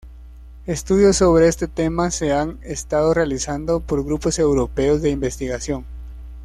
Estudios sobre este tema se han estado realizando por grupos europeos de investigación.